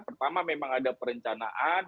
pertama memang ada perencanaan